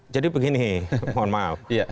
jadi begini mohon maaf